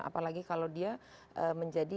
apalagi kalau dia menjadi